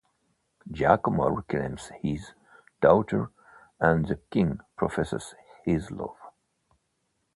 Giacomo reclaims his daughter, and the King professes his love.